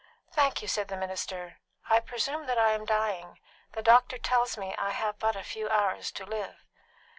"Thank you," said the minister. "I presume that I am dying; the doctor tells me that I have but a few hours to live."